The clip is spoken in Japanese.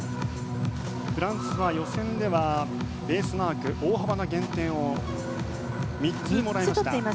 フランスは予選ではベースマーク大幅な減点を３つ、もらいました。